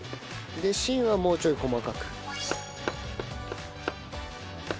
で芯はもうちょい細かく。